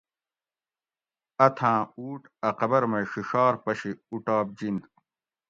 اتھاۤں اُوٹ اۤ قبر مئ ڛڛار پشی اُوٹاپ جِن